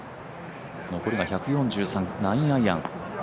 残りが１４３、９アイアン。